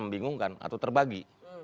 membingungkan atau terbagi